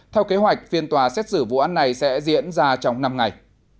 theo kế hoạch phiên tòa xét xử vụ án này sẽ diễn ra trong năm ngày